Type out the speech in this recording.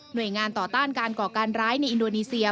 โดยงานต่อต้านการก่อการร้ายในอินโดนีเซีย